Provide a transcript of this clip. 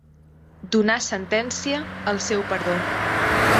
Donar sentència, el seu perdó.